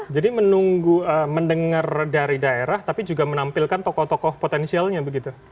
jadi mendengar dari daerah tapi juga menampilkan tokoh tokoh potensialnya begitu